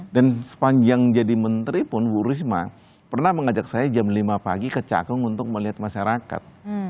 dan sepanjang jadi menteri pun bu risma pernah mengajak saya jam lima pagi ke cakung untuk melihat masyarakat